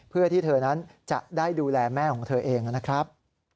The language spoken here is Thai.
เพื่อที่เธอนั้นจะได้ดูแลแม่ของเธอเองนะครับ